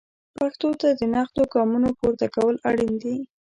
پښتو ته د نغدو ګامونو پورته کول اړین دي.